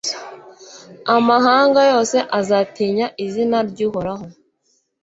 Amahanga yose azatinya izina ry’Uhoraho